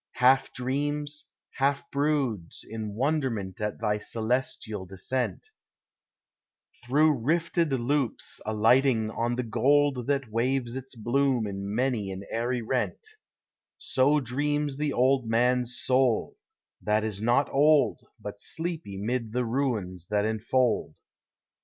33 Half dreams, half broods, in wonderment At thy celestial descent, Through rifted loops alighting on the gold That waves its bloom in many an airy rent: So dreams the old man's soul, that is not old, But sleepy 'mid the ruins that enfold.